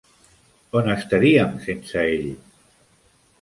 On estaríem sense ell?